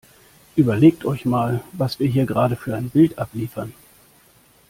Überlegt euch mal, was wir hier gerade für ein Bild abliefern!